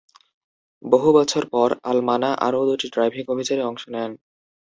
বহু বছর পর, আল-মানা আরও দুটি ড্রাইভিং অভিযানে অংশ নেন।